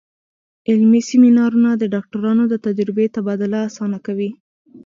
علمي سیمینارونه د ډاکټرانو د تجربې تبادله اسانه کوي.